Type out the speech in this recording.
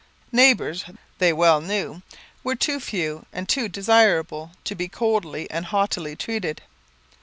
Neighbours, they well knew, were too few and too desirable to be coldly and haughtily treated.